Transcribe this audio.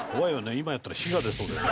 今やったら火が出そうだよね。